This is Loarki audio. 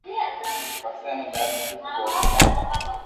پسي بي ڌاڌو دوک ڀوگيو ھو